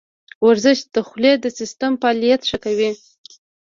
ورزش د خولې د سیستم فعالیت ښه کوي.